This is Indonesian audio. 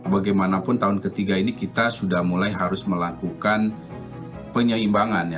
bagaimanapun tahun ketiga ini kita sudah mulai harus melakukan penyeimbangan